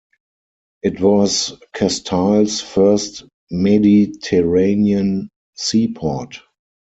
It was Castile's first Mediterranean seaport.